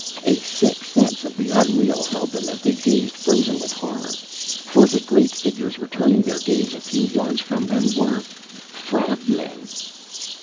A sick sense of the unreal held them as they gazed, frozen with horror. For the great figures returning their gaze a few yards from them were frog men!